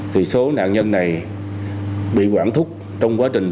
thì số nạn nhân này bị quản thúc trong quá trình